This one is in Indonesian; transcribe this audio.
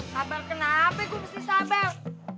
kabar kenapa gua mesti sabar